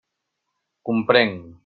Comprenc.